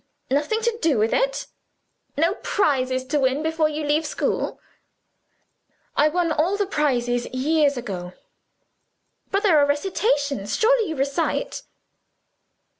"Nothing to do with it? No prizes to win before you leave school?" "I won all the prizes years ago." "But there are recitations. Surely you recite?"